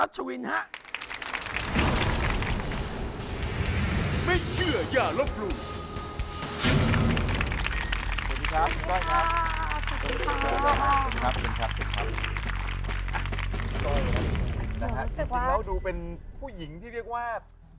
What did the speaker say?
จริงแล้วดูเป็นผู้หญิงที่เรียกว่า